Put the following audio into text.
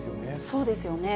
そうですよね。